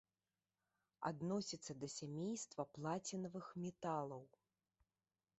Адносіцца да сямейства плацінавых металаў.